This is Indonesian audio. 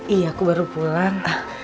iya aku baru pulang